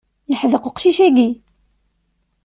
Yeḥdeq uqcic agi.